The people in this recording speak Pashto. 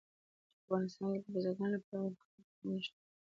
په افغانستان کې د بزګانو لپاره دپرمختیا پروګرامونه شته.